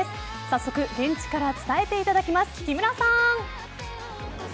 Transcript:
早速、現地から伝えていただきます、木村さん。